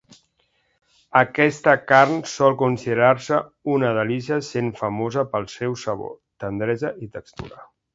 Aquesta carn sol considerar-se una delícia, sent famosa pel seu sabor, tendresa i textura.